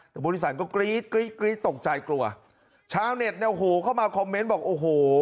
แต่บริษัทก็กรี๊ดกรี๊ดกรี๊ดตกใจกลัวชาวเน็ตเนี่ยโอ้โหเข้ามาคอมเมนต์บอกโอ้โห